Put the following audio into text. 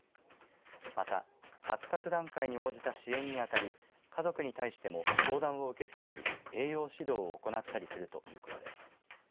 また発達段階に応じた支援にあたり家族に対しても相談を受け付けたり栄養指導を行ったりするということです。